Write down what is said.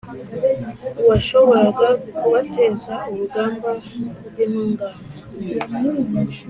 washoboraga kubateza urugamba rw’intungane,